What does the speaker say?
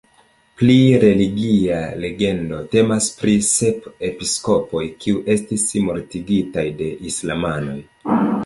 Pli religia legendo temas pri sep episkopoj kiuj estis mortigitaj de islamanoj.